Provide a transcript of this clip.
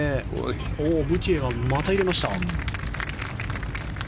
ブティエがまた入れました。